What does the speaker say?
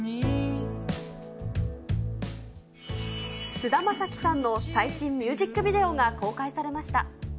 菅田将暉さんの最新ミュージックビデオが公開されました。